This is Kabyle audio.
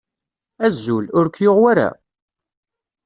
Azul, ur k-yuɣ wara?